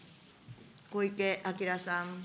小池晃さん。